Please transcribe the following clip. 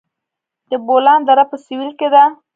د بولان دره په سویل کې ده